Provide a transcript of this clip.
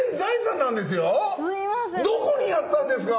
どこにやったんですか？